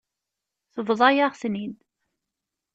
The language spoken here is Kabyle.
Tebḍa-yaɣ-ten-id.